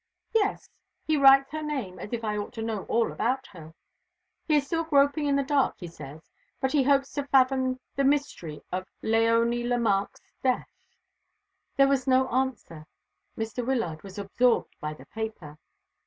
"Yes. He writes her name as if I ought to know all about her. He is still groping in the dark, he says, but he hopes to fathom the mystery of Léonie Lemarque's death." There was no answer. Mr. Wyllard was absorbed by the paper.